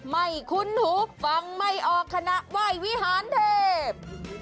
คุ้นหูฟังไม่ออกคณะไหว้วิหารเทพ